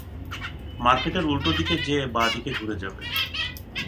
মার্কেটের উল্টো দিকে যেয়ে বাঁ-দিকে ঘুরে যাবে।